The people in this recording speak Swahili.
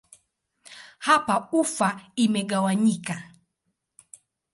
Hapa ufa imegawanyika.